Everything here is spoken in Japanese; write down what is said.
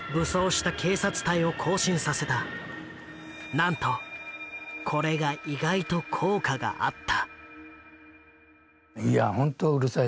なんとこれが意外と効果があった。